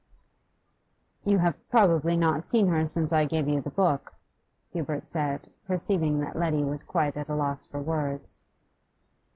'You have probably not seen her since I gave you the book?' Hubert said, perceiving that Letty was quite at a loss for words.